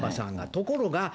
ところが＃